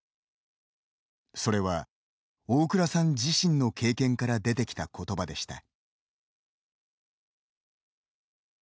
それは、大倉さん自身の経験から出てきた、ことばでした。